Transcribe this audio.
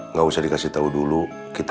nggak usah dikasih tahu dulu kak otang